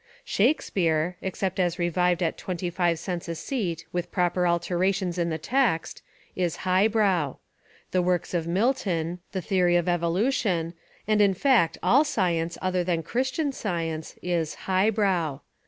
Shakespeare, except as revived at twenty five cents a seat with proper alterations in the text, is "highbrow." The works of Mil ton, the theory of evolution, and, in fact, all science other than Christian science, is "high brow."